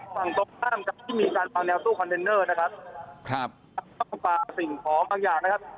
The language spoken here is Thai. ฝั่งตรงข้ามกับที่มีการเป่าแววตู้คอนเทนเนอร์นะครับครับต้องปลาสิ่งของบางอย่างนะครับ